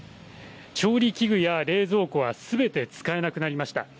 調理器具や冷蔵庫は、すべて使えなくなりました。